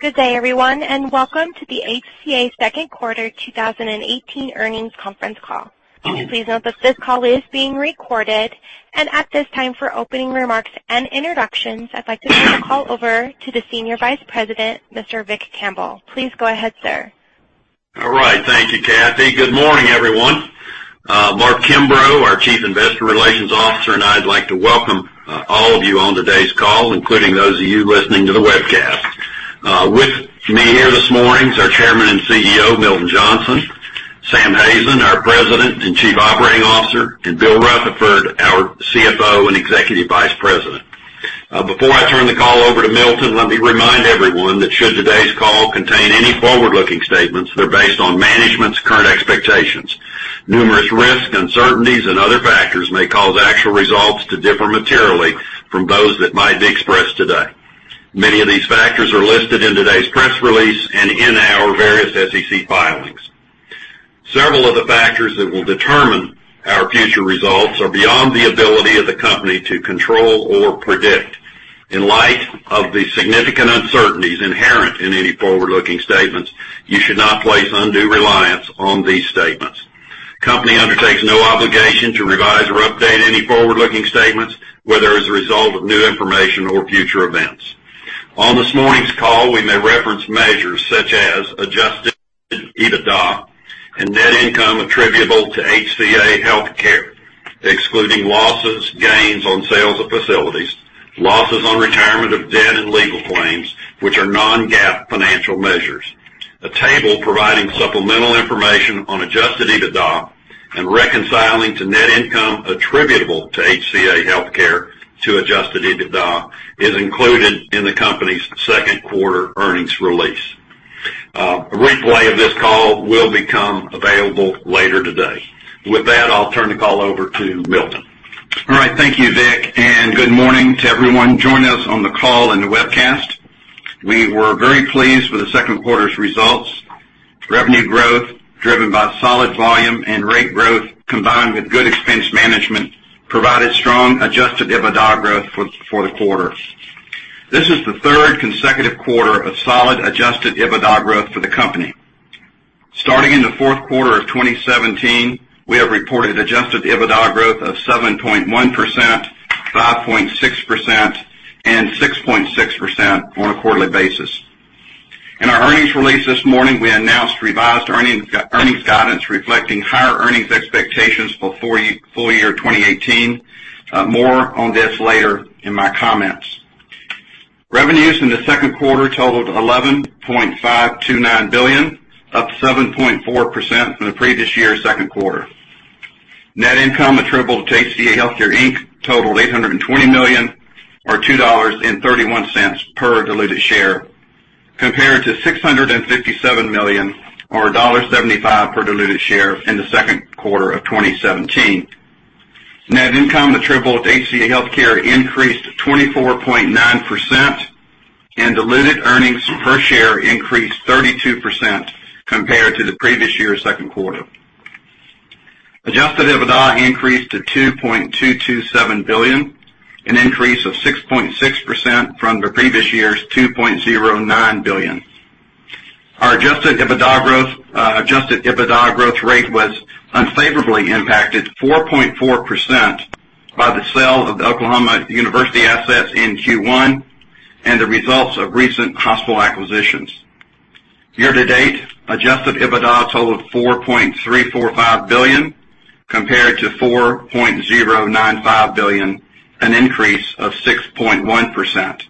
Good day everyone. Welcome to the HCA second quarter 2018 earnings conference call. Please note that this call is being recorded, and at this time for opening remarks and introductions, I'd like to turn the call over to the Senior Vice President, Mr. Vic Campbell. Please go ahead, sir. All right. Thank you, Kathy. Good morning everyone. Mark Kimbrough, our Chief Investor Relations Officer, and I'd like to welcome all of you on today's call, including those of you listening to the webcast. With me here this morning is our Chairman and CEO, Milton Johnson; Sam Hazen, our President and Chief Operating Officer; and Bill Rutherford, our CFO and Executive Vice President. Before I turn the call over to Milton, let me remind everyone that should today's call contain any forward-looking statements, they're based on management's current expectations. Numerous risks, uncertainties, and other factors may cause actual results to differ materially from those that might be expressed today. Many of these factors are listed in today's press release and in our various SEC filings. Several of the factors that will determine our future results are beyond the ability of the company to control or predict. In light of the significant uncertainties inherent in any forward-looking statements, you should not place undue reliance on these statements. The company undertakes no obligation to revise or update any forward-looking statements, whether as a result of new information or future events. On this morning's call, we may reference measures such as Adjusted EBITDA and net income attributable to HCA Healthcare, excluding losses, gains on sales of facilities, losses on retirement of debt and legal claims, which are non-GAAP financial measures. A table providing supplemental information on Adjusted EBITDA and reconciling to net income attributable to HCA Healthcare to Adjusted EBITDA is included in the company's second quarter earnings release. A replay of this call will become available later today. With that, I'll turn the call over to Milton. All right. Thank you, Vic. Good morning to everyone joining us on the call and the webcast. We were very pleased with the second quarter's results. Revenue growth driven by solid volume and rate growth combined with good expense management provided strong Adjusted EBITDA growth for the quarter. This is the third consecutive quarter of solid Adjusted EBITDA growth for the company. Starting in the fourth quarter of 2017, we have reported Adjusted EBITDA growth of 7.1%, 5.6%, and 6.6% on a quarterly basis. In our earnings release this morning, we announced revised earnings guidance reflecting higher earnings expectations for full year 2018. More on this later in my comments. Revenues in the second quarter totaled $11.529 billion, up 7.4% from the previous year's second quarter. Net income attributable to HCA Healthcare, Inc. totaled $820 million or $2.31 per diluted share, compared to $657 million or $1.75 per diluted share in the second quarter of 2017. Net income attributable to HCA Healthcare increased 24.9%, and diluted earnings per share increased 32% compared to the previous year's second quarter. Adjusted EBITDA increased to $2.227 billion, an increase of 6.6% from the previous year's $2.09 billion. Our Adjusted EBITDA growth rate was unfavorably impacted 4.4% by the sale of the Oklahoma University assets in Q1 and the results of recent hospital acquisitions. Year-to-date, Adjusted EBITDA totaled $4.345 billion, compared to $4.095 billion, an increase of 6.1%.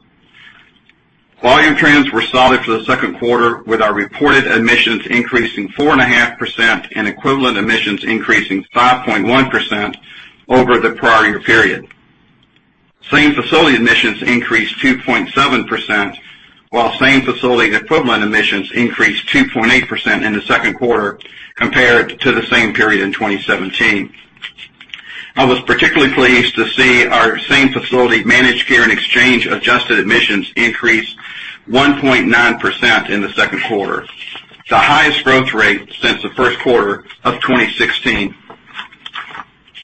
Volume trends were solid for the second quarter, with our reported admissions increasing 4.5% and equivalent admissions increasing 5.1% over the prior year period. Same-facility admissions increased 2.7%, while same-facility equivalent admissions increased 2.8% in the second quarter compared to the same period in 2017. I was particularly pleased to see our same-facility Managed Care and Exchange adjusted admissions increase 1.9% in the second quarter, the highest growth rate since the first quarter of 2016.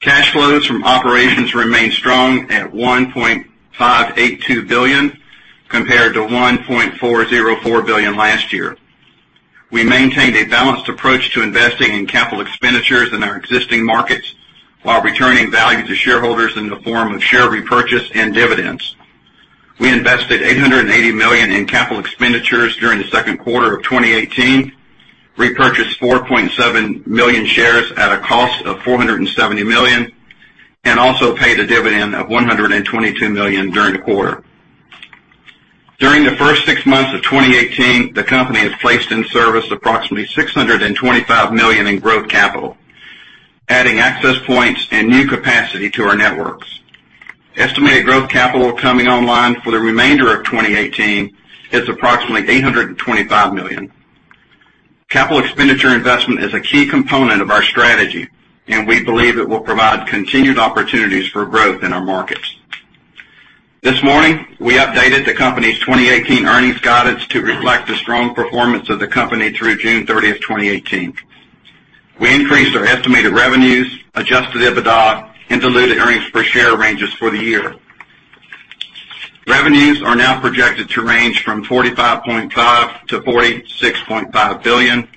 Cash flows from operations remained strong at $1.582 billion, compared to $1.404 billion last year. We maintained a balanced approach to investing in capital expenditures in our existing markets while returning value to shareholders in the form of share repurchase and dividends. We invested $880 million in capital expenditures during the second quarter of 2018, repurchased 4.7 million shares at a cost of $470 million, and also paid a dividend of $122 million during the quarter. During the first six months of 2018, the company has placed in service approximately $625 million in growth capital, adding access points and new capacity to our networks. Estimated growth capital coming online for the remainder of 2018 is approximately $825 million. Capital expenditure investment is a key component of our strategy, and we believe it will provide continued opportunities for growth in our markets. This morning, we updated the company's 2018 earnings guidance to reflect the strong performance of the company through June 30th, 2018. We increased our estimated revenues, Adjusted EBITDA, and diluted earnings per share ranges for the year. Revenues are now projected to range from $45.5 billion-$46.5 billion.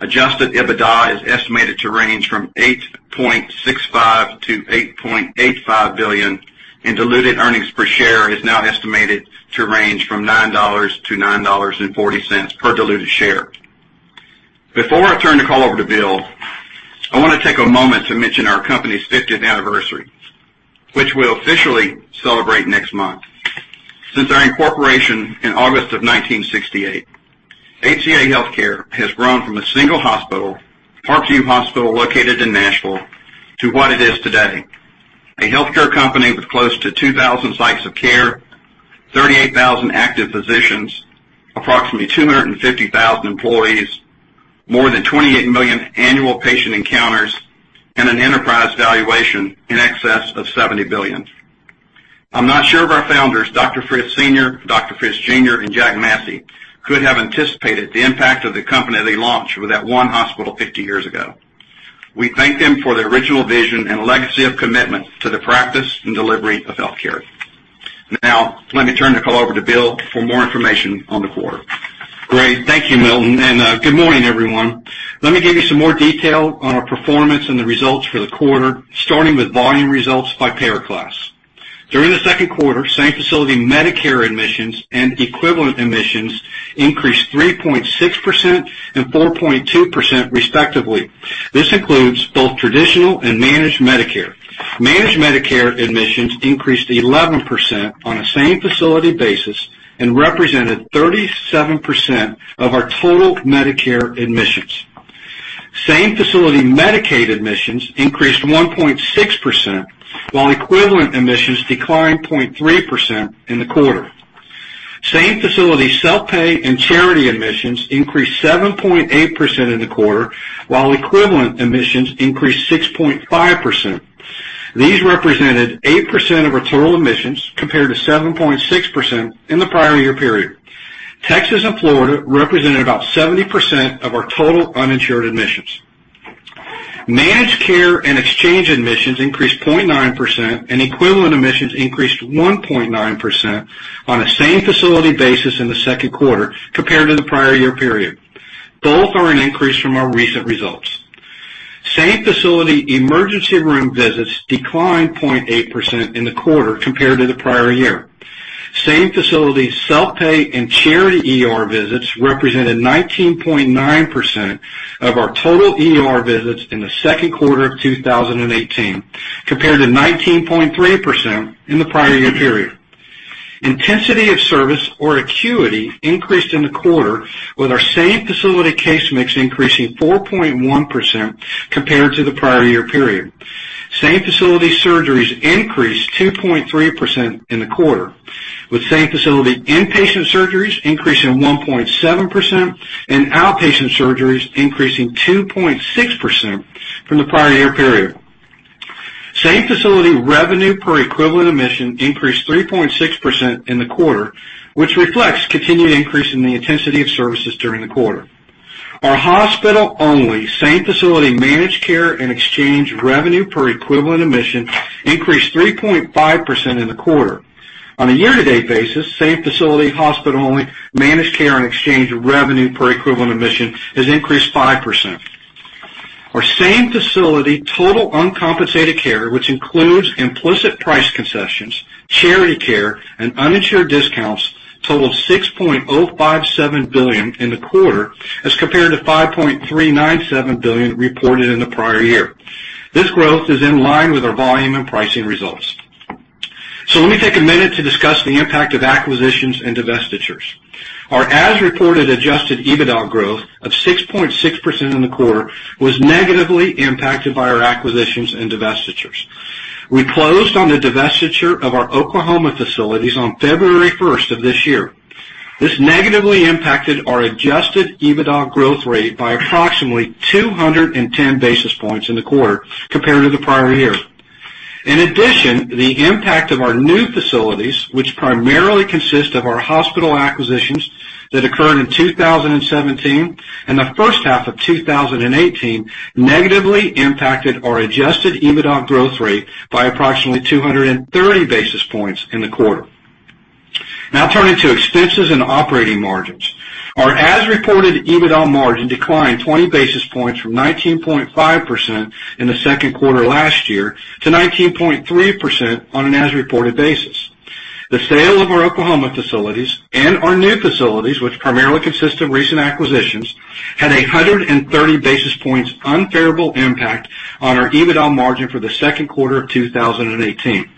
Adjusted EBITDA is estimated to range from $8.65 billion-$8.85 billion, and diluted earnings per share is now estimated to range from $9-$9.40 per diluted share. Before I turn the call over to Bill, I want to take a moment to mention our company's 50th anniversary, which we'll officially celebrate next month. Since our incorporation in August of 1968, HCA Healthcare has grown from a single hospital, Park View Hospital, located in Nashville, to what it is today, a healthcare company with close to 2,000 sites of care, 38,000 active physicians, approximately 250,000 employees, more than 28 million annual patient encounters, and an enterprise valuation in excess of $70 billion. I'm not sure if our founders, Dr. Frist Sr., Dr. Frist Jr., and Jack Massey, could have anticipated the impact of the company they launched with that one hospital 50 years ago. We thank them for their original vision and legacy of commitment to the practice and delivery of healthcare. Now, let me turn the call over to Bill for more information on the quarter. Great. Thank you, Milton, and good morning, everyone. Let me give you some more detail on our performance and the results for the quarter, starting with volume results by payer class. During the second quarter, same-facility Medicare admissions and equivalent admissions increased 3.6% and 4.2% respectively. This includes both traditional and Managed Medicare. Managed Medicare admissions increased 11% on a same-facility basis and represented 37% of our total Medicare admissions. Same-facility Medicaid admissions increased 1.6%, while equivalent admissions declined 0.3% in the quarter. Same-facility self-pay and charity admissions increased 7.8% in the quarter, while equivalent admissions increased 6.5%. These represented 8% of our total admissions, compared to 7.6% in the prior year period. Texas and Florida represented about 70% of our total uninsured admissions. Managed Care and Exchange admissions increased 0.9%, and equivalent admissions increased 1.9% on a same-facility basis in the second quarter compared to the prior year period. Both are an increase from our recent results. Same-facility emergency room visits declined 0.8% in the quarter compared to the prior year. Same-facility self-pay and charity ER visits represented 19.9% of our total ER visits in the second quarter of 2018, compared to 19.3% in the prior year period. Intensity of service or acuity increased in the quarter, with our same-facility case mix increasing 4.1% compared to the prior year period. Same-facility surgeries increased 2.3% in the quarter, with same-facility inpatient surgeries increasing 1.7% and outpatient surgeries increasing 2.6% from the prior year period. Same-facility revenue per equivalent admission increased 3.6% in the quarter, which reflects continued increase in the intensity of services during the quarter. Our hospital-only same-facility Managed Care and Exchange revenue per equivalent admission increased 3.5% in the quarter. On a year-to-date basis, same-facility hospital-only Managed Care and Exchange revenue per equivalent admission has increased 5%. Our same-facility total uncompensated care, which includes implicit price concessions, charity care, and uninsured discounts, totaled $6.057 billion in the quarter as compared to $5.397 billion reported in the prior year. This growth is in line with our volume and pricing results. Let me take a minute to discuss the impact of acquisitions and divestitures. Our as-reported Adjusted EBITDA growth of 6.6% in the quarter was negatively impacted by our acquisitions and divestitures. We closed on the divestiture of our Oklahoma facilities on February 1st of this year. This negatively impacted our Adjusted EBITDA growth rate by approximately 210 basis points in the quarter compared to the prior year. In addition, the impact of our new facilities, which primarily consist of our hospital acquisitions that occurred in 2017 and the first half of 2018, negatively impacted our Adjusted EBITDA growth rate by approximately 230 basis points in the quarter. Turning to expenses and operating margins. Our as-reported EBITDA margin declined 20 basis points from 19.5% in the second quarter last year to 19.3% on an as-reported basis. The sale of our Oklahoma facilities and our new facilities, which primarily consist of recent acquisitions, had 130 basis points unfavorable impact on our EBITDA margin for the second quarter of 2018.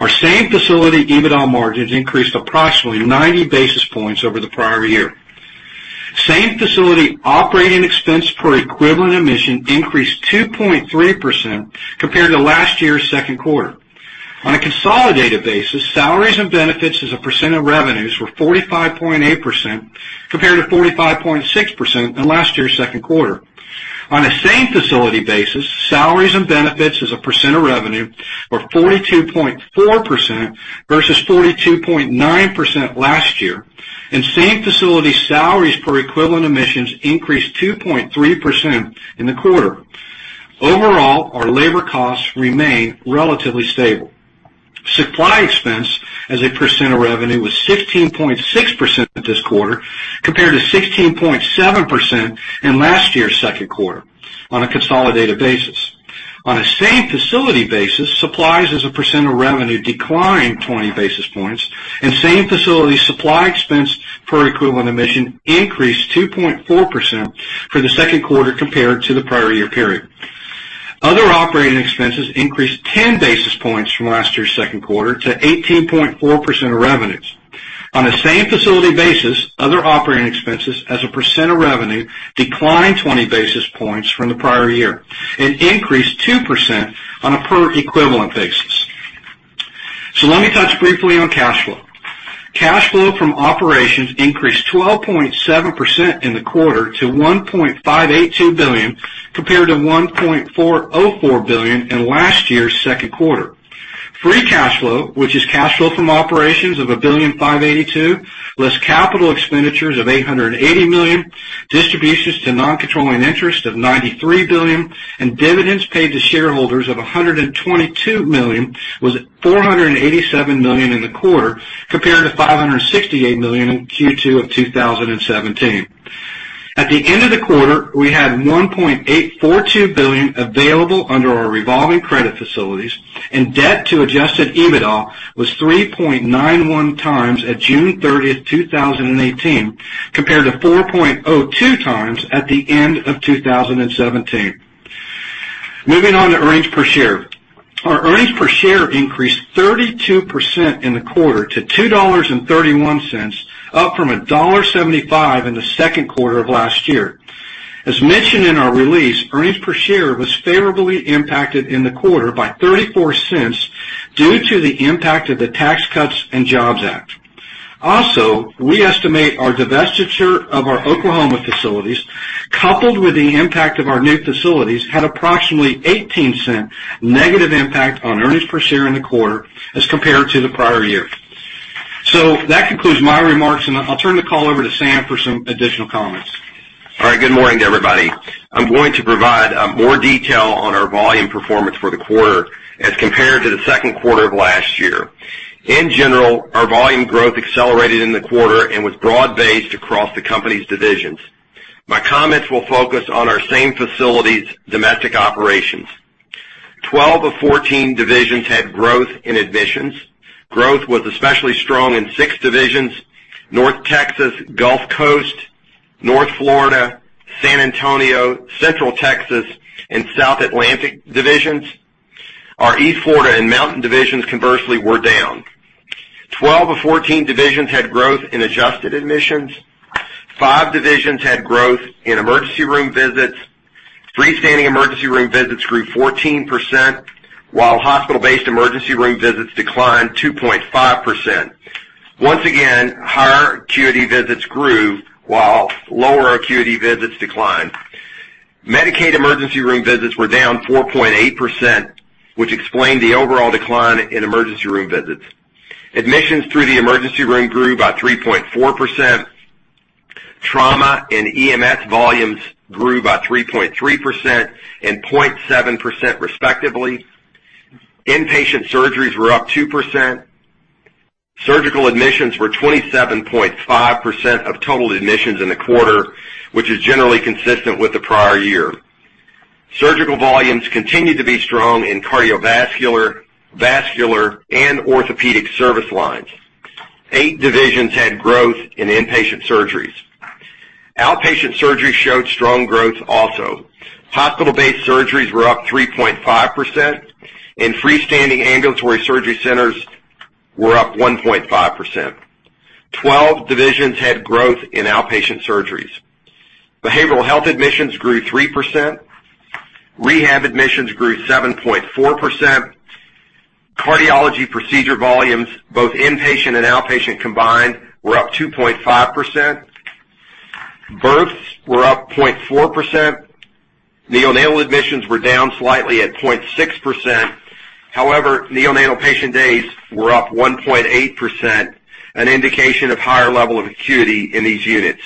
Our same-facility EBITDA margins increased approximately 90 basis points over the prior year. Same-facility operating expense per equivalent admission increased 2.3% compared to last year's second quarter. On a consolidated basis, salaries and benefits as a percent of revenues were 45.8% compared to 45.6% in last year's second quarter. On a same-facility basis, salaries and benefits as a percent of revenue were 42.4% versus 42.9% last year. In same-facility salaries per equivalent admissions increased 2.3% in the quarter. Overall, our labor costs remain relatively stable. Supply expense as a percent of revenue was 16.6% this quarter, compared to 16.7% in last year's second quarter on a consolidated basis. On a same-facility basis, supplies as a percent of revenue declined 20 basis points, and same-facility supply expense per equivalent admission increased 2.4% for the second quarter compared to the prior year period. Other operating expenses increased 10 basis points from last year's second quarter to 18.4% of revenues. On a same-facility basis, other operating expenses as a percent of revenue declined 20 basis points from the prior year and increased 2% on a per equivalent basis. Let me touch briefly on cash flow. Cash flow from operations increased 12.7% in the quarter to $1.582 billion, compared to $1.404 billion in last year's second quarter. Free cash flow, which is cash flow from operations of $1.582 billion, less capital expenditures of $880 million, distributions to non-controlling interest of $93 million, and dividends paid to shareholders of $122 million, was $487 million in the quarter, compared to $568 million in Q2 of 2017. At the end of the quarter, we had $1.842 billion available under our revolving credit facilities, and debt to Adjusted EBITDA was 3.91 times at June 30th, 2018, compared to 4.02 times at the end of 2017. Moving on to earnings per share. Our earnings per share increased 32% in the quarter to $2.31, up from $1.75 in the second quarter of last year. As mentioned in our release, earnings per share was favorably impacted in the quarter by $0.34 due to the impact of the Tax Cuts and Jobs Act. Also, we estimate our divestiture of our Oklahoma facilities, coupled with the impact of our new facilities, had approximately $0.18 negative impact on earnings per share in the quarter as compared to the prior year. That concludes my remarks, and I'll turn the call over to Sam for some additional comments. All right. Good morning, everybody. I'm going to provide more detail on our volume performance for the quarter as compared to the second quarter of last year. In general, our volume growth accelerated in the quarter and was broad-based across the company's divisions. My comments will focus on our same facilities' domestic operations. 12 of 14 divisions had growth in admissions. Growth was especially strong in 6 divisions: North Texas, Gulf Coast, North Florida, San Antonio, Central Texas, and South Atlantic divisions. Our East Florida and Mountain divisions, conversely, were down. 12 of 14 divisions had growth in adjusted admissions. 5 divisions had growth in emergency room visits. Freestanding emergency room visits grew 14%, while hospital-based emergency room visits declined 2.5%. Once again, higher acuity visits grew, while lower acuity visits declined. Medicaid emergency room visits were down 4.8%, which explained the overall decline in emergency room visits. Admissions through the emergency room grew by 3.4%. Trauma and EMS volumes grew by 3.3% and 0.7%, respectively. Inpatient surgeries were up 2%. Surgical admissions were 27.5% of total admissions in the quarter, which is generally consistent with the prior year. Surgical volumes continued to be strong in cardiovascular, vascular, and orthopedic service lines. Eight divisions had growth in inpatient surgeries. Outpatient surgeries showed strong growth also. Hospital-based surgeries were up 3.5%, and freestanding ambulatory surgery centers were up 1.5%. 12 divisions had growth in outpatient surgeries. Behavioral health admissions grew 3%. Rehab admissions grew 7.4%. Cardiology procedure volumes, both inpatient and outpatient combined, were up 2.5%. Births were up 0.4%. Neonatal admissions were down slightly at 0.6%. Neonatal patient days were up 1.8%, an indication of higher level of acuity in these units.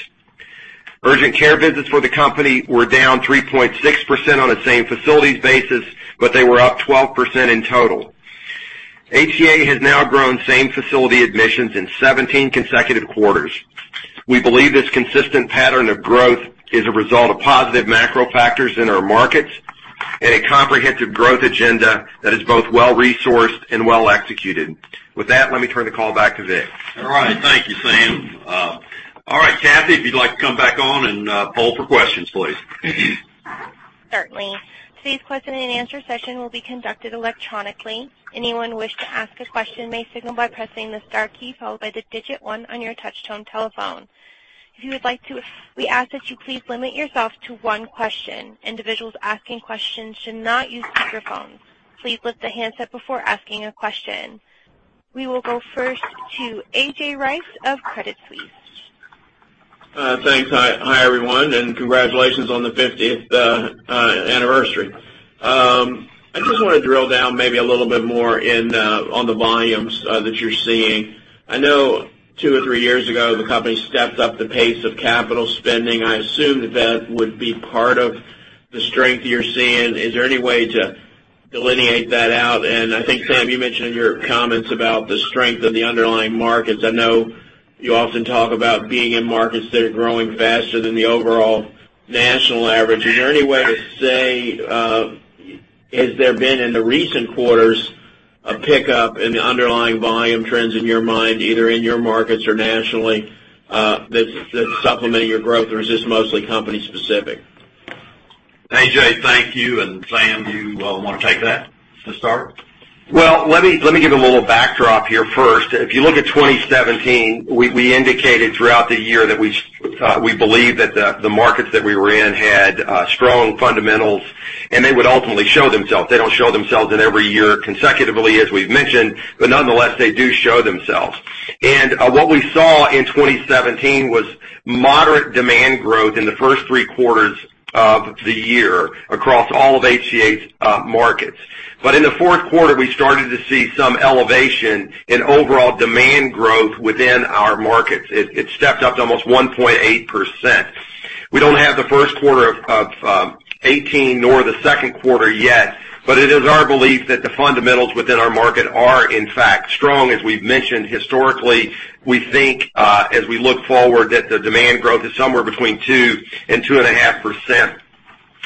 Urgent care visits for the company were down 3.6% on a same facilities basis. They were up 12% in total. HCA has now grown same-facility admissions in 17 consecutive quarters. We believe this consistent pattern of growth is a result of positive macro factors in our markets and a comprehensive growth agenda that is both well-resourced and well-executed. With that, let me turn the call back to Vic. Thank you, Sam. Kathy, if you'd like to come back on and poll for questions, please. Certainly. Today's question and answer session will be conducted electronically. Anyone who wish to ask a question may signal by pressing the star key, followed by the digit one on your touch tone telephone. If you would like to, we ask that you please limit yourself to one question. Individuals asking questions should not use speakerphones. Please lift the handset before asking a question. We will go first to A.J. Rice of Credit Suisse. Thanks. Hi, everyone, and congratulations on the 50th anniversary. I just want to drill down maybe a little bit more on the volumes that you're seeing. I know two or three years ago, the company stepped up the pace of capital spending. I assume that would be part of the strength you're seeing. Is there any way to delineate that out? I think, Sam, you mentioned in your comments about the strength of the underlying markets. I know you often talk about being in markets that are growing faster than the overall national average. Is there any way to say, has there been, in the recent quarters, a pickup in the underlying volume trends in your mind, either in your markets or nationally, that's supplementing your growth, or is this mostly company specific? AJ, thank you. Sam, do you want to take that to start? Well, let me give a little backdrop here first. If you look at 2017, we indicated throughout the year that we believed that the markets that we were in had strong fundamentals, and they would ultimately show themselves. They don't show themselves in every year consecutively, as we've mentioned, but nonetheless, they do show themselves. What we saw in 2017 was moderate demand growth in the first three quarters of the year across all of HCA's markets. In the fourth quarter, we started to see some elevation in overall demand growth within our markets. It stepped up to almost 1.8%. We don't have the first quarter of 2018, nor the second quarter yet, it is our belief that the fundamentals within our market are, in fact, strong, as we've mentioned historically. We think, as we look forward, that the demand growth is somewhere between 2% and 2.5%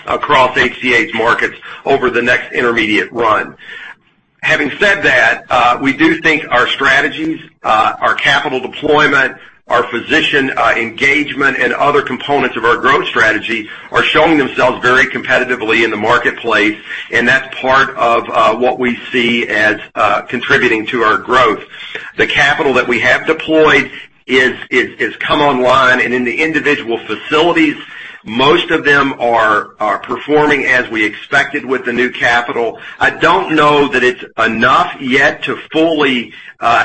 across HCA's markets over the next intermediate run. Having said that, we do think our strategies, our capital deployment, our physician engagement, and other components of our growth strategy are showing themselves very competitively in the marketplace, and that's part of what we see as contributing to our growth. The capital that we have deployed has come online, and in the individual facilities, most of them are performing as we expected with the new capital. I don't know that it's enough yet to fully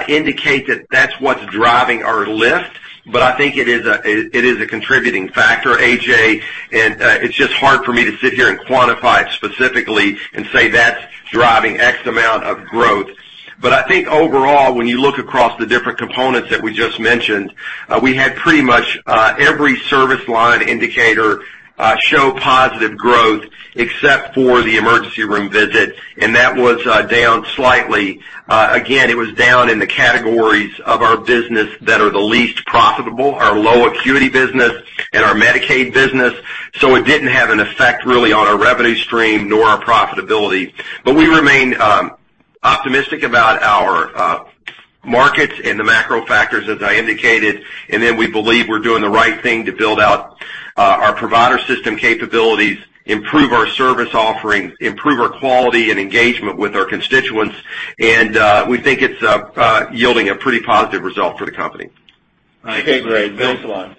indicate that that's what's driving our lift, I think it is a contributing factor, AJ. It's just hard for me to sit here and quantify it specifically and say that's driving X amount of growth. I think overall, when you look across the different components that we just mentioned, we had pretty much every service line indicator show positive growth except for the emergency room visits. That was down slightly. It was down in the categories of our business that are the least profitable, our low acuity business and our Medicaid business. It didn't have an effect really on our revenue stream nor our profitability. We remain optimistic about our markets and the macro factors, as I indicated. We believe we're doing the right thing to build out our provider system capabilities, improve our service offerings, improve our quality and engagement with our constituents, and we think it's yielding a pretty positive result for the company. Okay, great. Thanks a lot.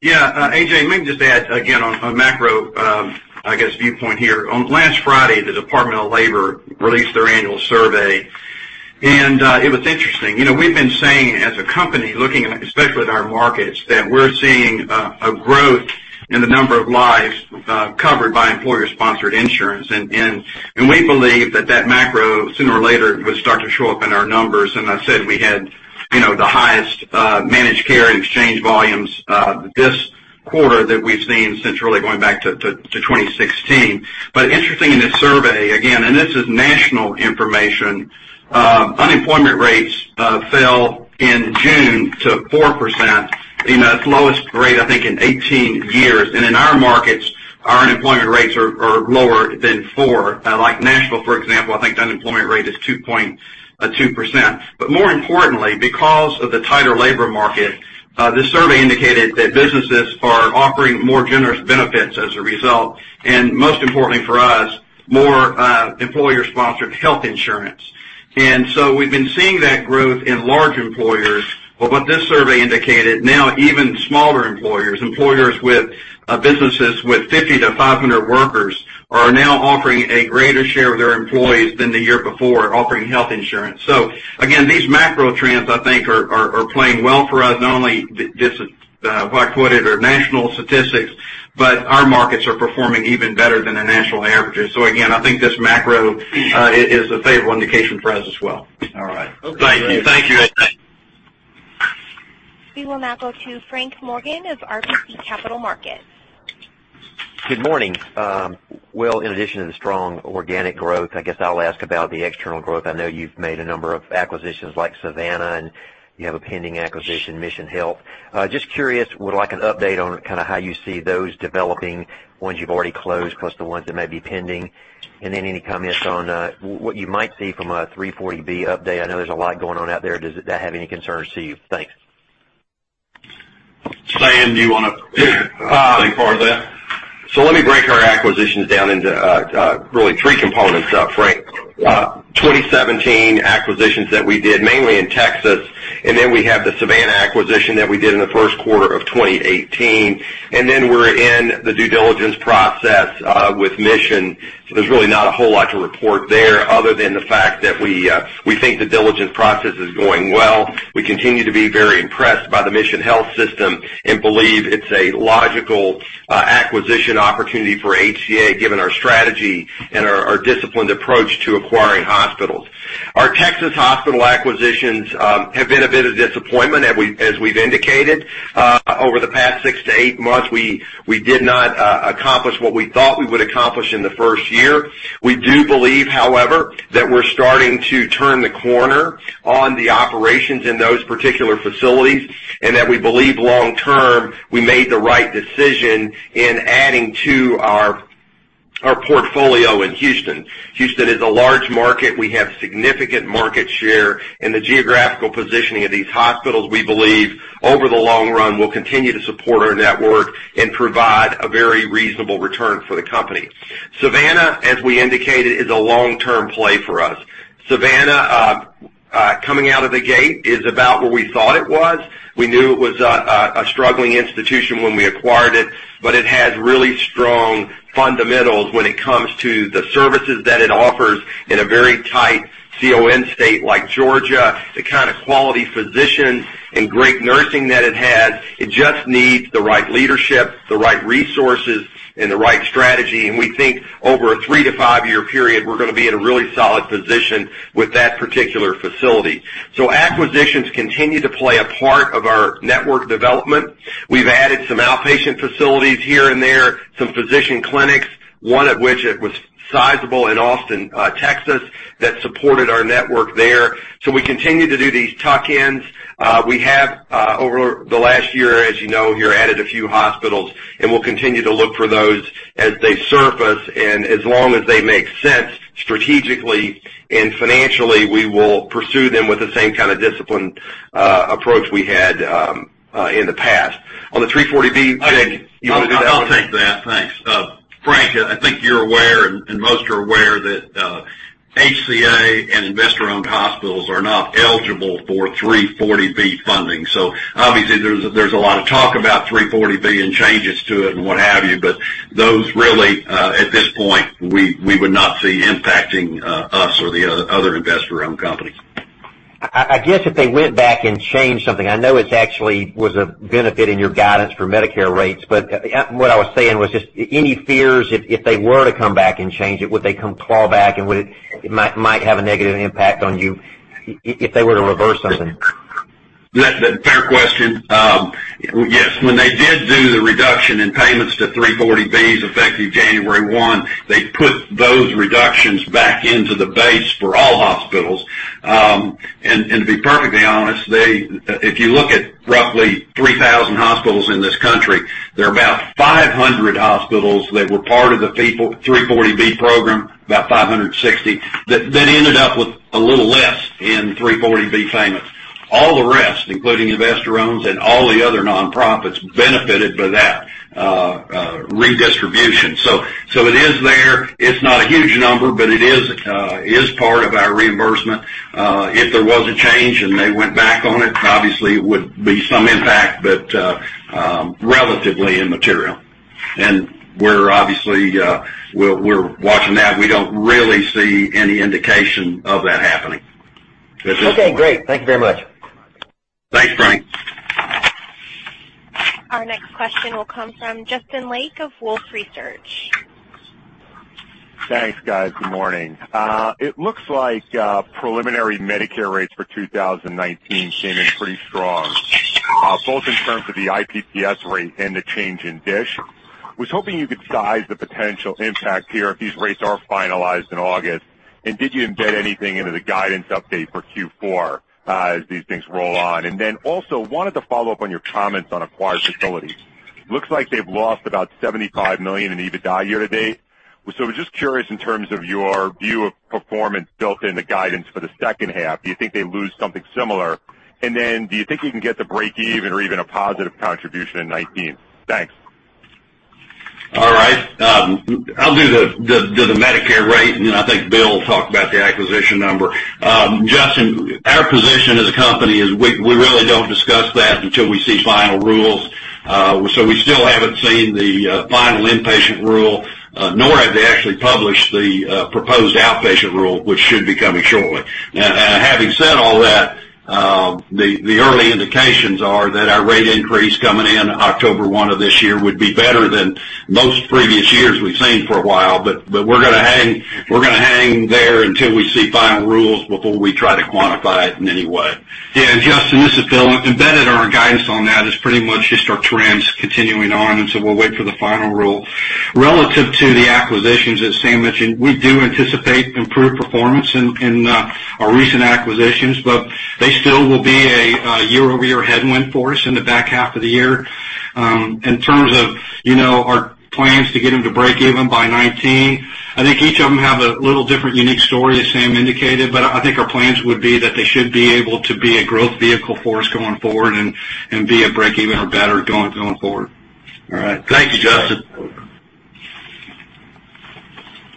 A.J., may I just add again on a macro, I guess, viewpoint here. On last Friday, the Department of Labor released their annual survey. It was interesting. We've been saying as a company, looking especially at our markets, that we're seeing a growth in the number of lives covered by employer-sponsored insurance. We believe that macro, sooner or later, would start to show up in our numbers. I said we had the highest Managed Care and Exchange volumes this quarter that we've seen since really going back to 2016. Interesting in this survey, again, this is national information, unemployment rates fell in June to 4%, its lowest rate, I think, in 18 years. In our markets, our unemployment rates are lower than 4%. Like Nashville, for example, I think the unemployment rate is 2.2%. More importantly, because of the tighter labor market, this survey indicated that businesses are offering more generous benefits as a result, and most importantly for us, more employer-sponsored health insurance. We've been seeing that growth in large employers. What this survey indicated, now even smaller employers with businesses with 50-500 workers, are now offering a greater share of their employees than the year before offering health insurance. Again, these macro trends, I think, are playing well for us. Not only this is, if I quoted, are national statistics, but our markets are performing even better than the national averages. Again, I think this macro is a favorable indication for us as well. All right. Thank you. Thank you, A.J. We will now go to Frank Morgan of RBC Capital Markets. Good morning. Well, in addition to the strong organic growth, I guess I'll ask about the external growth. I know you've made a number of acquisitions like Savannah, and you have a pending acquisition, Mission Health. Just curious, would like an update on how you see those developing, ones you've already closed, plus the ones that may be pending. Any comments on what you might see from a 340B update? I know there's a lot going on out there. Does that have any concerns to you? Thanks. Sam, do you want to take part of that? Let me break our acquisitions down into really three components, Frank. 2017 acquisitions that we did mainly in Texas, then we have the Savannah acquisition that we did in the first quarter of 2018, then we're in the due diligence process with Mission. There's really not a whole lot to report there other than the fact that we think the diligence process is going well. We continue to be very impressed by the Mission Health system and believe it's a logical acquisition opportunity for HCA, given our strategy and our disciplined approach to acquiring hospitals. Our Texas hospital acquisitions have been a bit of disappointment, as we've indicated. Over the past six to eight months, we did not accomplish what we thought we would accomplish in the first year. We do believe, however, that we're starting to turn the corner on the operations in those particular facilities, and that we believe long-term, we made the right decision in adding to our portfolio in Houston. Houston is a large market. We have significant market share, and the geographical positioning of these hospitals, we believe, over the long run, will continue to support our network and provide a very reasonable return for the company. Savannah, as we indicated, is a long-term play for us. Savannah, coming out of the gate, is about where we thought it was. We knew it was a struggling institution when we acquired it, but it has really strong fundamentals when it comes to the services that it offers in a very tight CON state like Georgia. The kind of quality physician and great nursing that it has, it just needs the right leadership, the right resources, and the right strategy, and we think over a three to five-year period, we're going to be in a really solid position with that particular facility. Acquisitions continue to play a part of our network development. We've added some outpatient facilities here and there, some physician clinics, one of which it was sizable in Austin, Texas, that supported our network there. We continue to do these tuck-ins. We have, over the last year, as you know here, added a few hospitals, and we'll continue to look for those as they surface, and as long as they make sense strategically and financially, we will pursue them with the same kind of disciplined approach we had in the past. On the 340B thing, you want to do that one? I'll take that. Thanks. Frank, I think you're aware, and most are aware, that HCA and investor-owned hospitals are not eligible for 340B funding. Obviously, there's a lot of talk about 340B and changes to it and what have you, but those really, at this point, we would not see impacting us or the other investor-owned companies. I guess if they went back and changed something, I know it actually was a benefit in your guidance for Medicare rates, but what I was saying was just any fears, if they were to come back and change it, would they come clawback, and it might have a negative impact on you if they were to reverse something? That's a fair question. Yes. When they did do the reduction in payments to 340Bs effective January 1, they put those reductions back into the base for all hospitals. To be perfectly honest, if you look at roughly 3,000 hospitals in this country, there are about 500 hospitals that were part of the 340B program, about 560, that ended up with a little less in 340B payments. All the rest, including investor-owns and all the other non-profits, benefited by that redistribution. It is there. It's not a huge number, but it is part of our reimbursement. If there was a change and they went back on it, obviously it would be some impact, but relatively immaterial. We're obviously watching that. We don't really see any indication of that happening. Okay, great. Thank you very much. Thanks, Frank. Our next question will come from Justin Lake of Wolfe Research. Thanks, guys. Good morning. It looks like preliminary Medicare rates for 2019 came in pretty strong, both in terms of the IPPS rate and the change in DSH. Did you embed anything into the guidance update for Q4 as these things roll on? Also wanted to follow up on your comments on acquired facilities. Looks like they've lost about $75 million in EBITDA year-to-date. Was just curious in terms of your view of performance built in the guidance for the second half. Do you think they lose something similar? Do you think we can get to break even or even a positive contribution in 2019? Thanks. All right. I'll do the Medicare rate. I think Bill will talk about the acquisition number. Justin, our position as a company is we really don't discuss that until we see final rules. We still haven't seen the final inpatient rule, nor have they actually published the proposed outpatient rule, which should be coming shortly. Now, having said all that, the early indications are that our rate increase coming in October 1 of this year would be better than most previous years we've seen for a while. We're going to hang there until we see final rules before we try to quantify it in any way. Yeah, Justin, this is Bill. Embedded in our guidance on that is pretty much just our trends continuing on. We'll wait for the final rule. Relative to the acquisitions, as Sam mentioned, we do anticipate improved performance in our recent acquisitions, but they still will be a year-over-year headwind for us in the back half of the year. In terms of our plans to get them to break even by 2019, I think each of them have a little different unique story, as Sam indicated, but I think our plans would be that they should be able to be a growth vehicle for us going forward and be a break even or better going forward. All right. Thank you, Justin.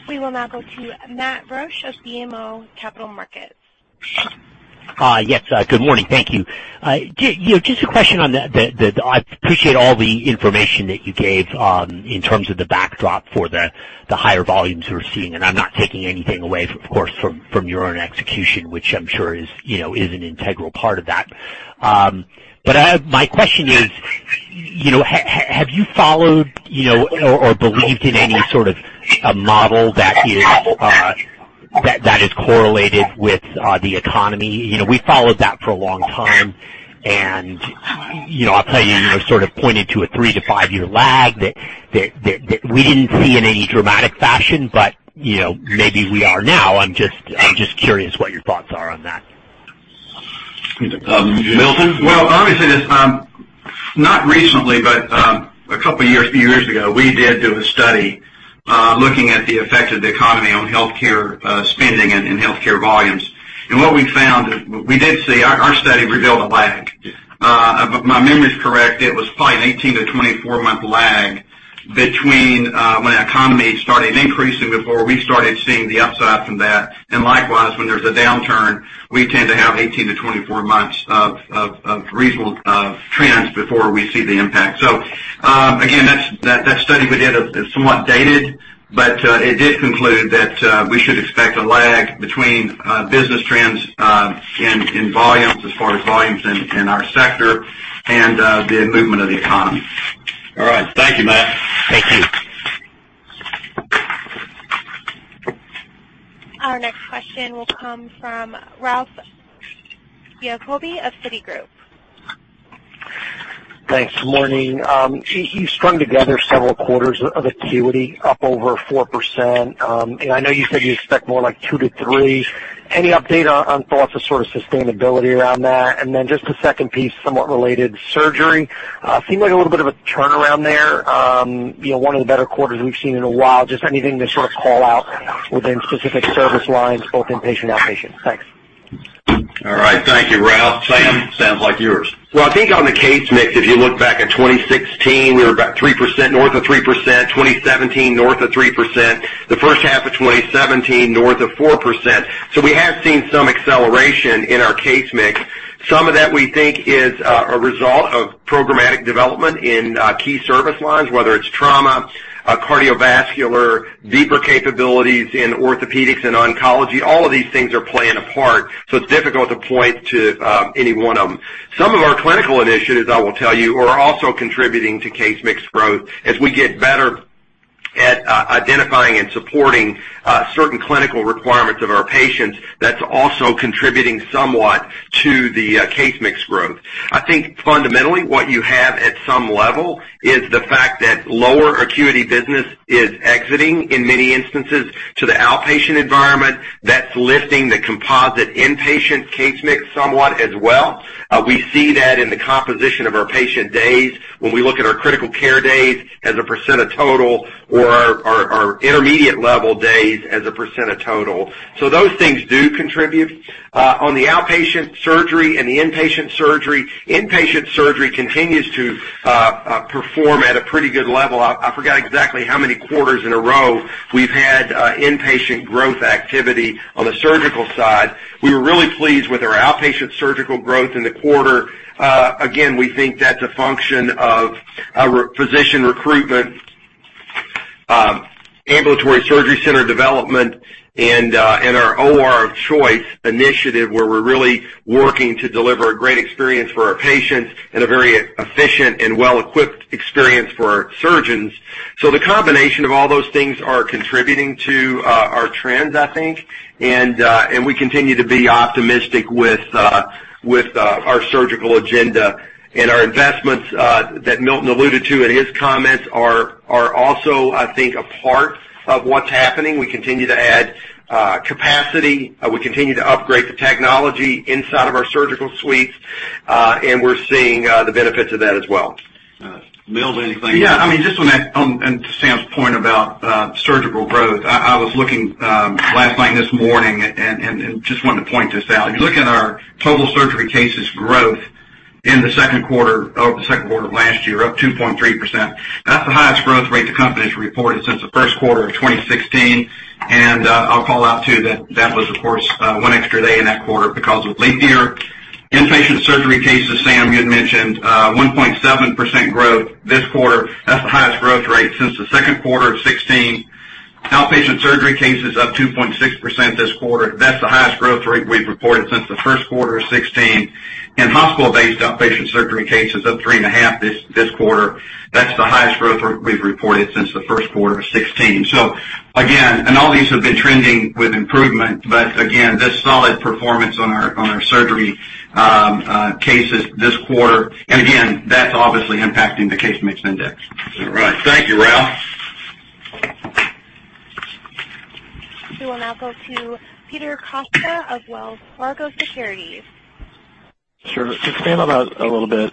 We will now go to Matt Borsch of BMO Capital Markets. Hi. Yes, good morning. Thank you. Just a question on the. I appreciate all the information that you gave in terms of the backdrop for the higher volumes we're seeing. I'm not taking anything away, of course, from your own execution, which I'm sure is an integral part of that. My question is Have you followed or believed in any sort of model that is correlated with the economy? We followed that for a long time, and I'll tell you sort of pointed to a three to five-year lag that we didn't see in any dramatic fashion, but maybe we are now. I'm just curious what your thoughts are on that. Milton? Well, obviously, not recently, but a couple of years, a few years ago, we did do a study, looking at the effect of the economy on healthcare spending and healthcare volumes. What we found is our study revealed a lag. Yes. If my memory is correct, it was probably an 18-24-month lag between when the economy started increasing before we started seeing the upside from that. Likewise, when there's a downturn, we tend to have 18-24 months of reasonable trends before we see the impact. Again, that study we did is somewhat dated, but it did conclude that we should expect a lag between business trends in volumes as far as volumes in our sector and the movement of the economy. All right. Thank you, Matt. Thank you. Our next question will come from Ralph Giacobbe of Citigroup. Thanks. Morning. You strung together several quarters of acuity up over 4%. I know you said you expect more like 2%-3%. Any update on thoughts of sort of sustainability around that? Just the second piece, somewhat related, surgery. Seemed like a little bit of a turnaround there. One of the better quarters we've seen in a while. Just anything to sort of call out within specific service lines, both inpatient and outpatient. Thanks. All right. Thank you, Ralph. Sam, sounds like yours. Well, I think on the case mix, if you look back at 2016, we were about 3%, north of 3%, 2017, north of 3%, the first half of 2017, north of 4%. We have seen some acceleration in our case mix. Some of that we think is a result of programmatic development in key service lines, whether it's trauma, cardiovascular, deeper capabilities in orthopedics and oncology. All of these things are playing a part, so it's difficult to point to any one of them. Some of our clinical initiatives, I will tell you, are also contributing to case mix growth. As we get better at identifying and supporting certain clinical requirements of our patients, that's also contributing somewhat to the case mix growth. I think fundamentally what you have at some level is the fact that lower acuity business is exiting in many instances to the outpatient environment. That's lifting the composite inpatient case mix somewhat as well. We see that in the composition of our patient days when we look at our critical care days as a percent of total or our intermediate level days as a percent of total. Those things do contribute. On the outpatient surgery and the inpatient surgery, inpatient surgery continues to perform at a pretty good level. I forgot exactly how many quarters in a row we've had inpatient growth activity on the surgical side. We were really pleased with our outpatient surgical growth in the quarter. Again, we think that's a function of our physician recruitment, ambulatory surgery center development, and our OR of Choice initiative, where we're really working to deliver a great experience for our patients and a very efficient and well-equipped experience for our surgeons. The combination of all those things are contributing to our trends, I think. We continue to be optimistic with our surgical agenda. Our investments that Milton alluded to in his comments are also, I think, a part of what's happening. We continue to add capacity. We continue to upgrade the technology inside of our surgical suites. We're seeing the benefits of that as well. Milton, anything you- Yeah, just on that and to Sam's point about surgical growth, I was looking last night and this morning and just wanted to point this out. If you look at our total surgery cases growth in the second quarter of last year, up 2.3%. That's the highest growth rate the company's reported since the first quarter of 2016. I'll call out, too, that that was, of course, one extra day in that quarter because of leap year. Inpatient surgery cases, Sam, you had mentioned 1.7% growth this quarter. That's the highest growth rate since the second quarter of 2016. Outpatient surgery cases up 2.6% this quarter. That's the highest growth rate we've reported since the first quarter of 2016. Hospital-based outpatient surgery cases up 3.5% this quarter. That's the highest growth we've reported since the first quarter of 2016. Again, all these have been trending with improvement. Again, this solid performance on our surgery cases this quarter, and again, that's obviously impacting the case mix index. All right. Thank you, Ralph. We will now go to Peter Costa of Wells Fargo Securities. Sure. To expand on that a little bit,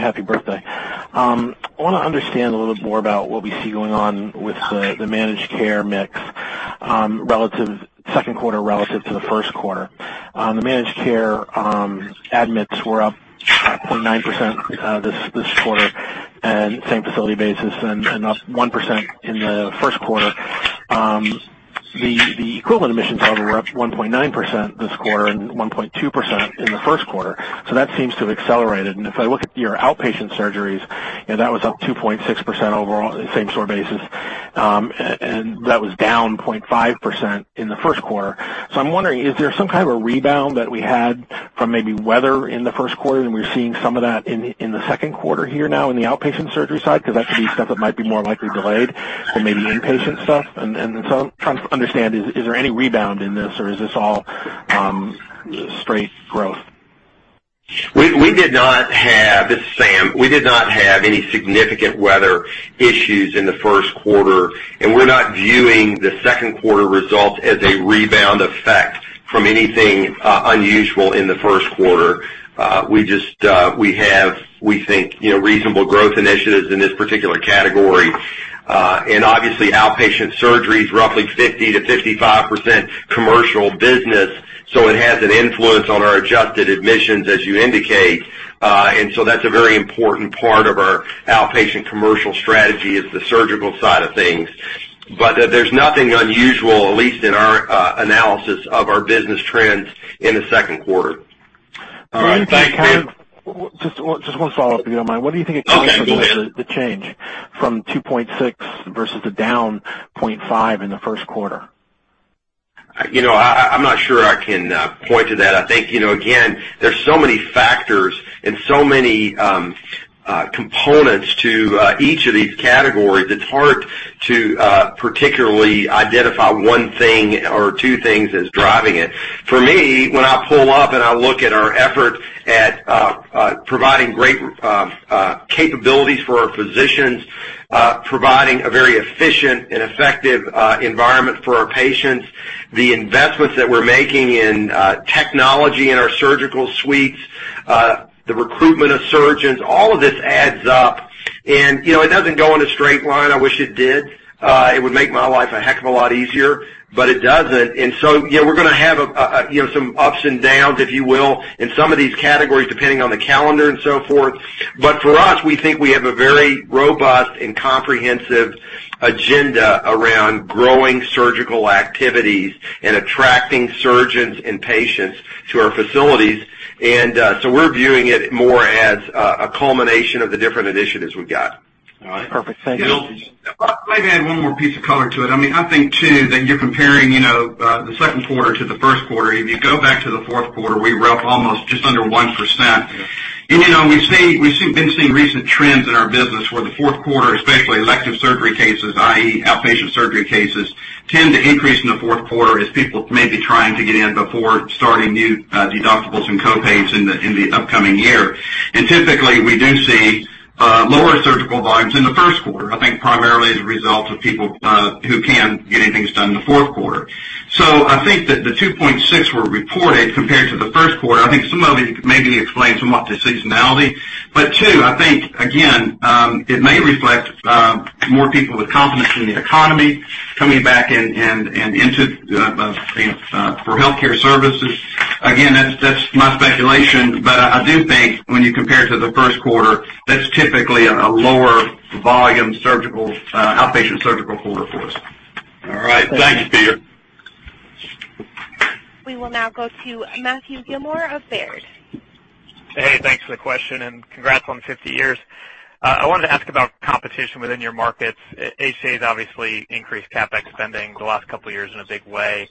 happy birthday. I want to understand a little more about what we see going on with the Managed Care mix, second quarter relative to the first quarter. The Managed Care admits were up 0.9% this quarter and same facility basis and up 1% in the first quarter. The equivalent admissions, however, were up 1.9% this quarter and 1.2% in the first quarter. That seems to have accelerated. If I look at your outpatient surgeries, that was up 2.6% overall, same-store basis. That was down 0.5% in the first quarter. I'm wondering, is there some kind of a rebound that we had from maybe weather in the first quarter and we're seeing some of that in the second quarter here now in the outpatient surgery side? That could be stuff that might be more likely delayed than maybe inpatient stuff. I'm trying to understand, is there any rebound in this or is this all straight growth? This is Sam. We did not have any significant weather issues in the first quarter, and we're not viewing the second quarter results as a rebound effect from anything unusual in the first quarter. We think reasonable growth initiatives in this particular category. Obviously, outpatient surgery is roughly 50%-55% commercial business, so it has an influence on our adjusted admissions, as you indicate. That's a very important part of our outpatient commercial strategy is the surgical side of things. There's nothing unusual, at least in our analysis of our business trends in the second quarter. Just one follow-up, if you don't mind. What do you think- Okay, go ahead accounts for most of the change from 2.6 versus the down 0.5 in the first quarter? I'm not sure I can point to that. I think, again, there's so many factors and so many components to each of these categories, it's hard to particularly identify one thing or two things as driving it. For me, when I pull up and I look at our efforts at providing great capabilities for our physicians, providing a very efficient and effective environment for our patients, the investments that we're making in technology in our surgical suites, the recruitment of surgeons, all of this adds up. It doesn't go in a straight line, I wish it did. It would make my life a heck of a lot easier, it doesn't. We're going to have some ups and downs, if you will, in some of these categories, depending on the calendar and so forth. For us, we think we have a very robust and comprehensive agenda around growing surgical activities and attracting surgeons and patients to our facilities. We're viewing it more as a culmination of the different initiatives we've got. All right. Perfect. Thank you. If I might add one more piece of color to it. I think, too, that you're comparing the second quarter to the first quarter. If you go back to the fourth quarter, we were up almost just under 1%. We've been seeing recent trends in our business where the fourth quarter, especially elective surgery cases, i.e. outpatient surgery cases, tend to increase in the fourth quarter as people may be trying to get in before starting new deductibles and co-pays in the upcoming year. Typically, we do see lower surgical volumes in the first quarter, I think primarily as a result of people who can get any things done in the fourth quarter. I think that the 2.6 were reported compared to the first quarter. I think some of it may be explained somewhat to seasonality. Two, I think, again, it may reflect more people with confidence in the economy coming back for healthcare services. Again, that's just my speculation, but I do think when you compare to the first quarter, that's typically a lower volume surgical, outpatient surgical quarter for us. All right. Thank you, Peter. We will now go to Matthew Gillmor of Baird. Hey, thanks for the question and congrats on 50 years. I wanted to ask about competition within your markets. HCA has obviously increased CapEx spending the last couple of years in a big way.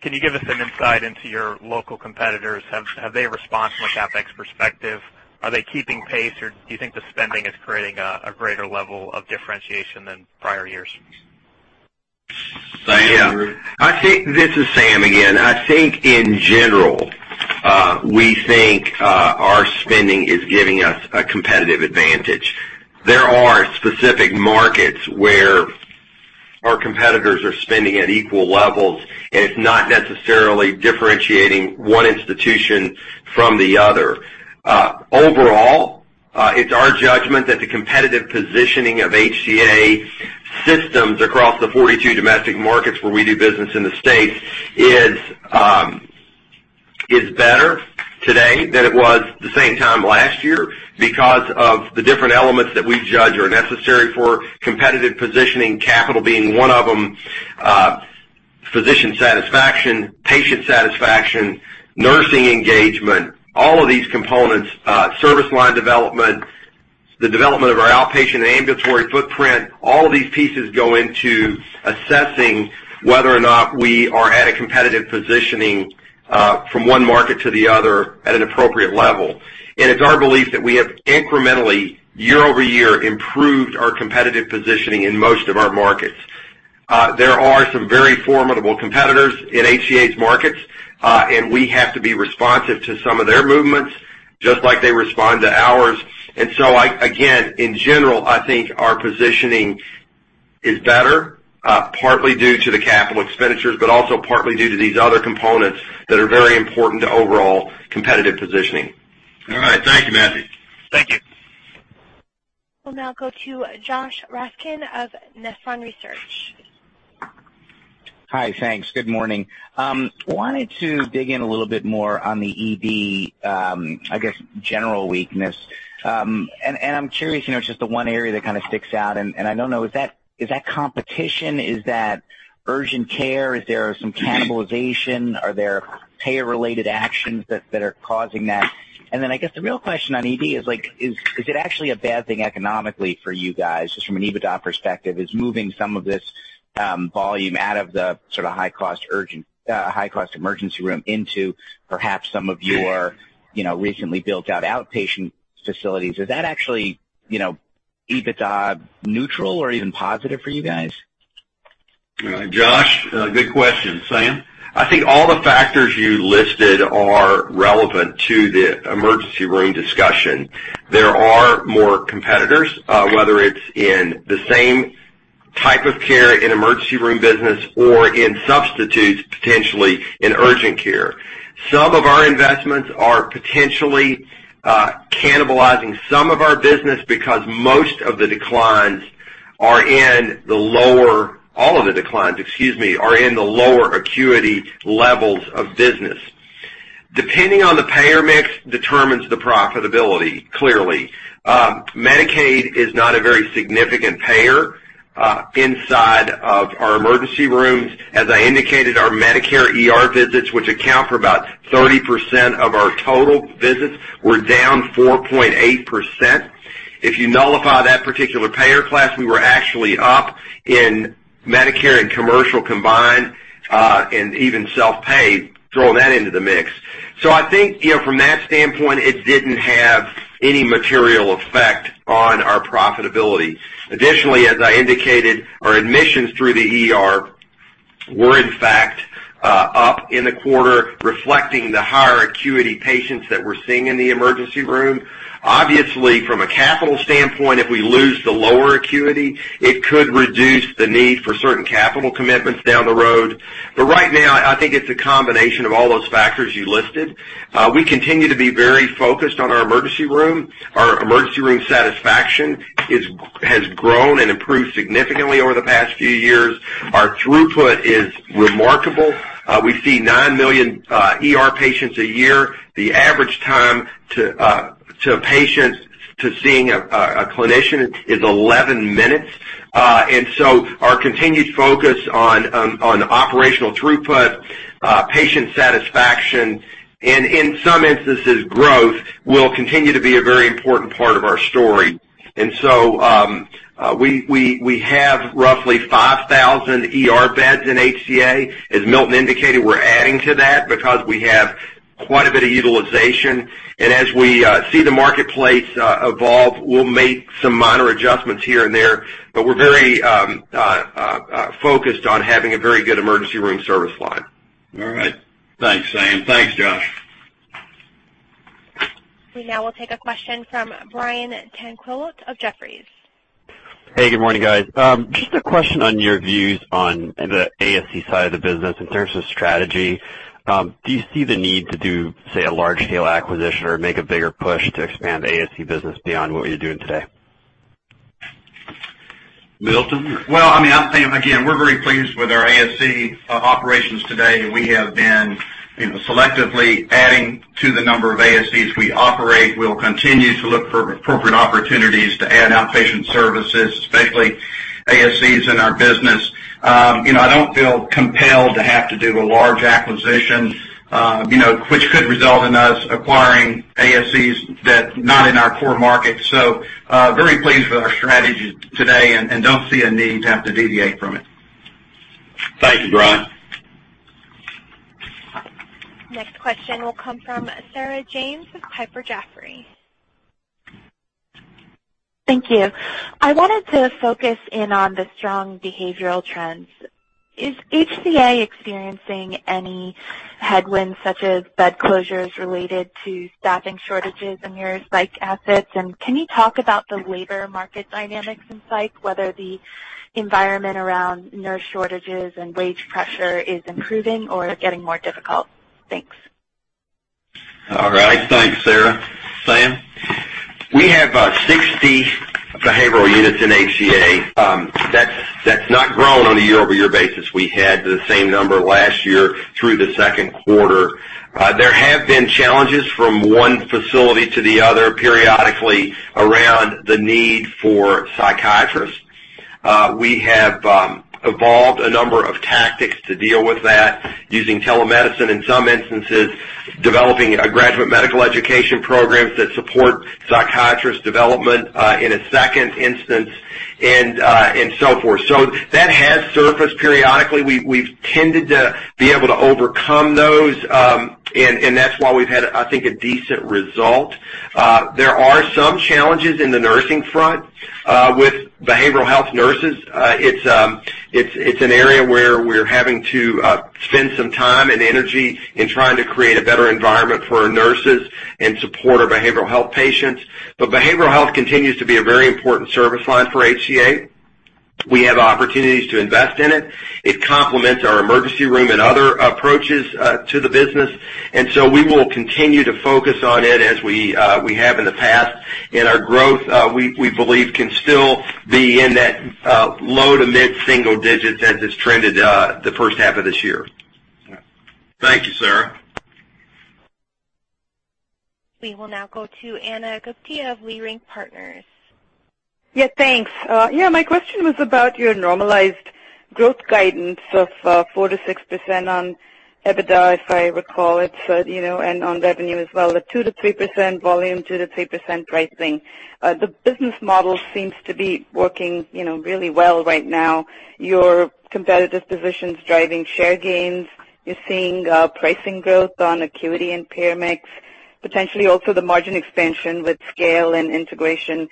Can you give us an insight into your local competitors? Have they responded from a CapEx perspective? Are they keeping pace, or do you think the spending is creating a greater level of differentiation than prior years? Sam? Yeah. This is Sam again. I think in general, we think our spending is giving us a competitive advantage. There are specific markets where our competitors are spending at equal levels, and it's not necessarily differentiating one institution from the other. Overall, it's our judgment that the competitive positioning of HCA systems across the 42 domestic markets where we do business in the state is better today than it was the same time last year because of the different elements that we judge are necessary for competitive positioning, capital being one of them, physician satisfaction, patient satisfaction, nursing engagement, all of these components, service line development, the development of our outpatient ambulatory footprint. All of these pieces go into assessing whether or not we are at a competitive positioning from one market to the other at an appropriate level. It's our belief that we have incrementally, year-over-year, improved our competitive positioning in most of our markets. There are some very formidable competitors in HCA's markets, we have to be responsive to some of their movements, just like they respond to ours. Again, in general, I think our positioning is better, partly due to the capital expenditures, but also partly due to these other components that are very important to overall competitive positioning. All right. Thank you, Matthew. We'll now go to Josh Raskin of Nephron Research. Hi. Thanks. Good morning. I wanted to dig in a little bit more on the ED, I guess, general weakness. I'm curious, just the one area that kind of sticks out, and I don't know, is that competition? Is that urgent care? Is there some cannibalization? Are there payer-related actions that are causing that? Then I guess the real question on ED is it actually a bad thing economically for you guys, just from an EBITDA perspective, is moving some of this volume out of the sort of high-cost emergency room into perhaps some of your recently built-out outpatient facilities. Is that actually EBITDA neutral or even positive for you guys? All right, Josh, good question. Sam? I think all the factors you listed are relevant to the emergency room discussion. There are more competitors, whether it's in the same type of care in emergency room business or in substitutes, potentially in urgent care. Some of our investments are potentially cannibalizing some of our business because most of the declines are in the lower All of the declines, excuse me, are in the lower acuity levels of business. Depending on the payer mix determines the profitability, clearly. Medicaid is not a very significant payer inside of our emergency rooms. As I indicated, our Medicare ER visits, which account for about 30% of our total visits, were down 4.8%. If you nullify that particular payer class, we were actually up in Medicare and commercial combined, and even self-pay, throw that into the mix. I think from that standpoint, it didn't have any material effect on our profitability. Additionally, as I indicated, our admissions through the ER were in fact up in the quarter, reflecting the higher acuity patients that we're seeing in the emergency room. Obviously, from a capital standpoint, if we lose the lower acuity, it could reduce the need for certain capital commitments down the road. Right now, I think it's a combination of all those factors you listed. We continue to be very focused on our emergency room. Our emergency room satisfaction has grown and improved significantly over the past few years. Our throughput is remarkable. We see 9 million ER patients a year. The average time to a patient to seeing a clinician is 11 minutes. Our continued focus on operational throughput, patient satisfaction, and in some instances, growth, will continue to be a very important part of our story. We have roughly 5,000 ER beds in HCA. As Milton indicated, we're adding to that because we have quite a bit of utilization. As we see the marketplace evolve, we'll make some minor adjustments here and there, but we're very focused on having a very good emergency room service line. All right. Thanks, Sam. Thanks, Josh. We now will take a question from Brian Tanquilut of Jefferies. Hey, good morning, guys. Just a question on your views on the ASC side of the business in terms of strategy. Do you see the need to do, say, a large-scale acquisition or make a bigger push to expand the ASC business beyond what you're doing today? Milton? Well, I mean, again, we're very pleased with our ASC operations today. We have been selectively adding to the number of ASCs we operate. We'll continue to look for appropriate opportunities to add outpatient services, especially ASCs in our business. I don't feel compelled to have to do a large acquisition which could result in us acquiring ASCs that not in our core market. Very pleased with our strategy today and don't see a need to have to deviate from it. Thank you, Brian. Next question will come from Sarah James with Piper Jaffray. Thank you. I wanted to focus in on the strong behavioral trends. Is HCA experiencing any headwinds such as bed closures related to staffing shortages in your psych assets? Can you talk about the labor market dynamics in psych, whether the environment around nurse shortages and wage pressure is improving or getting more difficult? Thanks. All right. Thanks, Sarah. Sam? We have 60 behavioral units in HCA Healthcare. That's not grown on a year-over-year basis. We had the same number last year through the second quarter. There have been challenges from one facility to the other periodically around the need for psychiatrists. We have evolved a number of tactics to deal with that using telemedicine in some instances, developing graduate medical education programs that support psychiatrist development in a second instance, and so forth. That has surfaced periodically. We've tended to be able to overcome those, and that's why we've had, I think, a decent result. There are some challenges in the nursing front with behavioral health nurses. It's an area where we're having to spend some time and energy in trying to create a better environment for our nurses and support our behavioral health patients. Behavioral health continues to be a very important service line for HCA Healthcare. We have opportunities to invest in it. It complements our emergency room and other approaches to the business. We will continue to focus on it as we have in the past. Our growth, we believe, can still be in that low to mid-single digits as it's trended the first half of this year. Thank you, sir. We will now go to Ana Gupte of Leerink Partners. Yeah, thanks. My question was about your normalized growth guidance of 4%-6% on EBITDA, if I recall it, and on revenue as well, at 2%-3% volume, 2%-3% pricing. The business model seems to be working really well right now. Your competitive position's driving share gains. You're seeing pricing growth on acuity and payer mix, potentially also the margin expansion with scale and integration.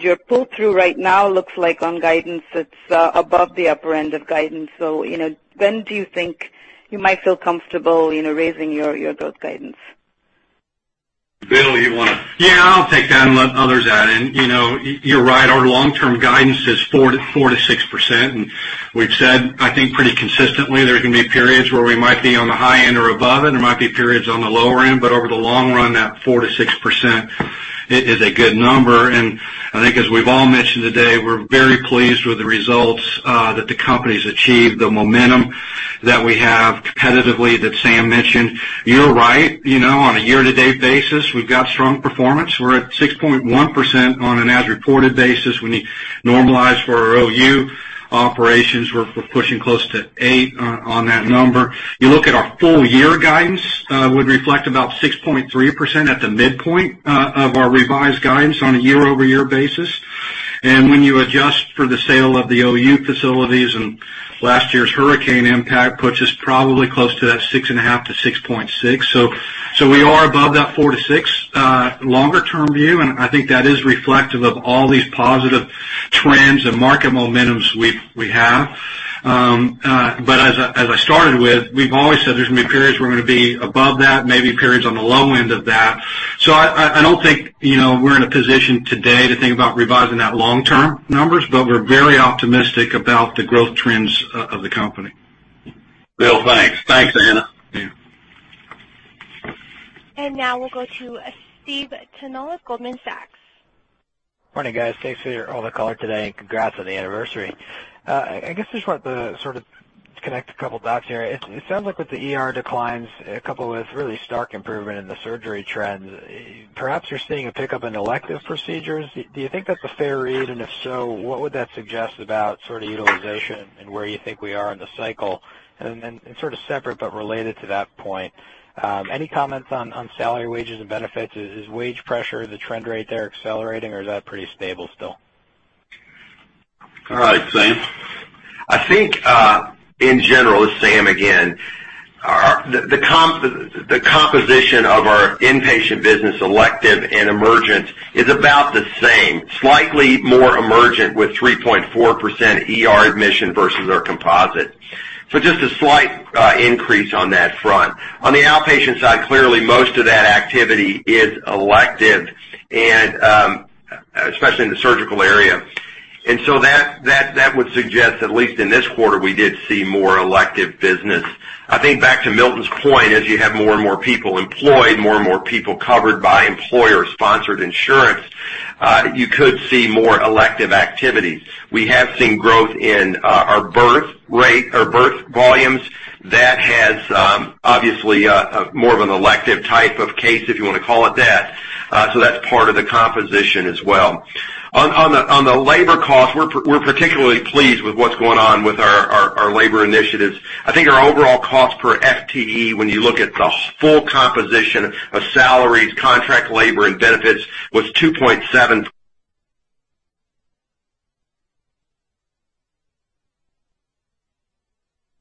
Your pull-through right now looks like on guidance it's above the upper end of guidance. When do you think you might feel comfortable raising your growth guidance? Bill, you want to? Yeah, I'll take that and let others add in. You're right, our long-term guidance is 4%-6%, we've said, I think, pretty consistently there are going to be periods where we might be on the high end or above it, there might be periods on the lower end, but over the long run, that 4%-6% is a good number. I think as we've all mentioned today, we're very pleased with the results that the company's achieved, the momentum that we have competitively that Sam mentioned. You're right. On a year-to-date basis, we've got strong performance. We're at 6.1% on an as-reported basis. When you normalize for our U.K. operations, we're pushing close to eight on that number. You look at our full year guidance, would reflect about 6.3% at the midpoint of our revised guidance on a year-over-year basis. When you adjust for the sale of the U.K. facilities and last year's hurricane impact puts us probably close to that 6.5%-6.6%. We are above that 4%-6%, longer term view, and I think that is reflective of all these positive trends and market momentums we have. As I started with, we've always said there's going to be periods we're going to be above that, maybe periods on the low end of that. I don't think we're in a position today to think about revising that long-term numbers, but we're very optimistic about the growth trends of the company. Bill, thanks. Thanks, Ana. Yeah. Now we'll go to Stephen Tanal, Goldman Sachs. Morning, guys. Thanks for all the color today, and congrats on the anniversary. I guess just want to sort of connect a couple dots here. It sounds like with the ER declines, coupled with really stark improvement in the surgery trends, perhaps you're seeing a pickup in elective procedures. Do you think that's a fair read? If so, what would that suggest about sort of utilization and where you think we are in the cycle? Then sort of separate but related to that point, any comments on salary, wages, and benefits? Is wage pressure, the trend rate there accelerating or is that pretty stable still? All right, Sam? I think, in general, Sam again, the composition of our inpatient business, elective and emergent, is about the same, slightly more emergent with 3.4% ER admission versus our composite. Just a slight increase on that front. On the outpatient side, clearly most of that activity is elective, especially in the surgical area. That would suggest, at least in this quarter, we did see more elective business. I think back to Milton's point, as you have more and more people employed, more and more people covered by employer-sponsored insurance, you could see more elective activities. We have seen growth in our birth rate or birth volumes. That has obviously more of an elective type of case, if you want to call it that. That's part of the composition as well. On the labor cost, we're particularly pleased with what's going on with our labor initiatives. I think our overall cost per FTE, when you look at the full composition of salaries, contract labor, and benefits, was 2.7%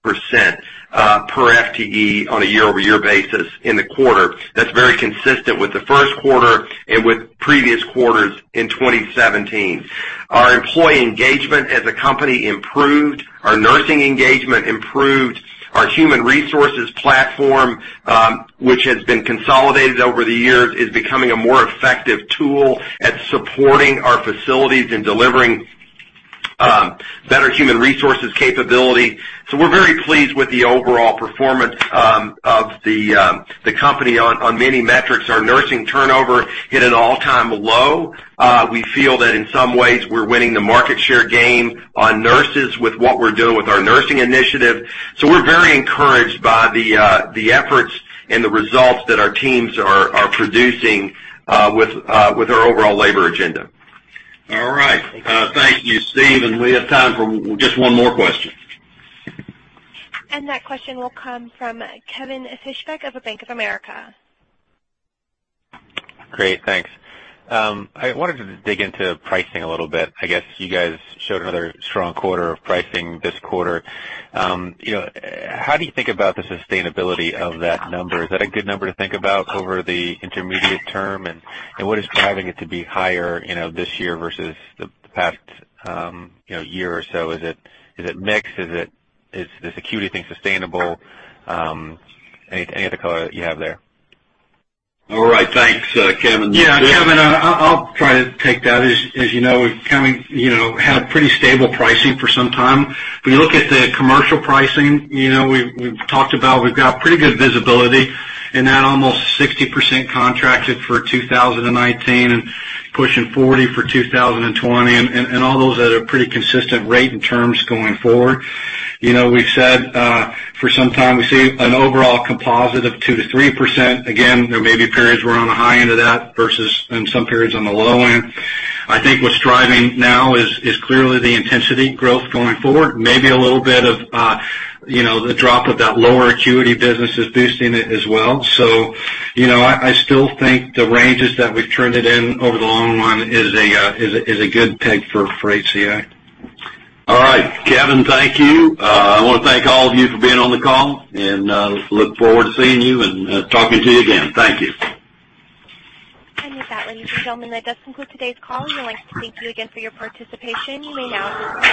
per FTE on a year-over-year basis in the quarter. That's very consistent with the first quarter and with previous quarters in 2017. Our employee engagement as a company improved. Our nursing engagement improved. Our human resources platform, which has been consolidated over the years, is becoming a more effective tool at supporting our facilities and delivering better human resources capability. We're very pleased with the overall performance of the company on many metrics. Our nursing turnover hit an all-time low. We feel that in some ways, we're winning the market share game on nurses with what we're doing with our nursing initiative. We're very encouraged by the efforts and the results that our teams are producing with our overall labor agenda. All right. Thank you. Thank you, Steve. We have time for just one more question. That question will come from Kevin Fischbeck of Bank of America. Great, thanks. I wanted to dig into pricing a little bit. I guess you guys showed another strong quarter of pricing this quarter. How do you think about the sustainability of that number? Is that a good number to think about over the intermediate term? What is driving it to be higher this year versus the past year or so? Is it mix? Is this acuity thing sustainable? Any other color you have there? All right, thanks, Kevin. Bill? Kevin, I'll try to take that. As you know, we've had pretty stable pricing for some time. If you look at the commercial pricing, we've talked about we've got pretty good visibility, and that almost 60% contracted for 2019 and pushing 40% for 2020, and all those at a pretty consistent rate in terms going forward. We've said for some time, we see an overall composite of 2%-3%. Again, there may be periods we're on the high end of that versus in some periods on the low end. I think what's driving now is clearly the intensity growth going forward. Maybe a little bit of the drop of that lower acuity business is boosting it as well. I still think the ranges that we've trended in over the long run is a good take for HCA. All right. Kevin, thank you. I want to thank all of you for being on the call, and look forward to seeing you and talking to you again. Thank you. With that, ladies and gentlemen, that does conclude today's call. We would like to thank you again for your participation. You may now disconnect.